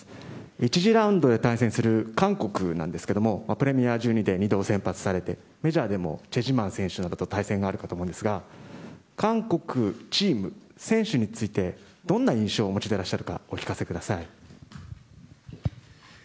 １次ラウンドで対戦する韓国なんですがプレミア１２で２度選出されてメジャーでもチェ選手らと対戦があると思いますが韓国チーム、選手についてどんな印象をお持ちでいらっしゃるか教えてください。